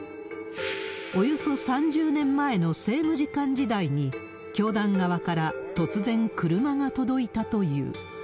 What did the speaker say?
およそ３０年前の政務次官時代に、教団側から突然、車が届いたという。